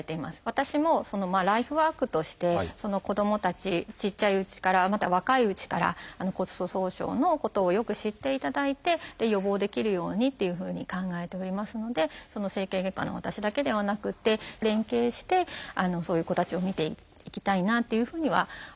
私もライフワークとして子どもたちちっちゃいうちからまだ若いうちから骨粗しょう症のことをよく知っていただいて予防できるようにっていうふうに考えておりますので整形外科の私だけではなくて連携してそういう子たちを診ていきたいなというふうには考えてますね。